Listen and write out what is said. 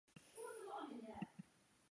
并担任人口资源环境委员会专委。